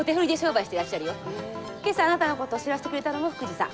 今朝あなたのこと知らせてくれたのも福治さん。